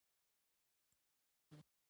زه له تلفظ سره املا زده کوم.